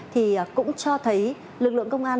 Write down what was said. thì cũng cho thấy lực lượng công an